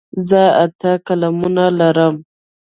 زه اته قلمونه لرم.